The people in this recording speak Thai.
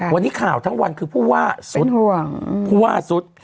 วันนี้ข่าวทั้งวันคือผู้ว่าสุด